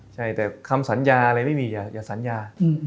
ใช่แต่คำสัญญาอะไรไม่มีอย่าสัญญา